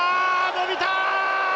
伸びた！